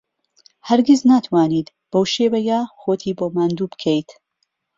هەرگیز ناتوانیت بەو شێوەیە خۆتی بۆ ماندوو بکەیت.